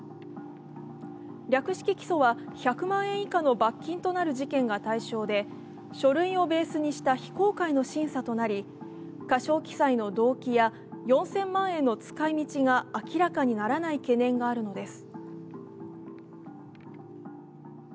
略式起訴は、１００万円以下の罰金となる事件が対象で書類をベースにした非公開の審査となり過少記載の動機や４０００万円の使いみちが明らかにならない懸念があるのです。